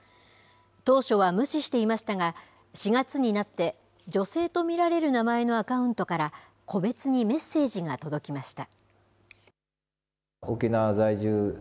当初は無視していましたが、４月になって、女性と見られる名前のアカウントから個別にメッセージが届きました。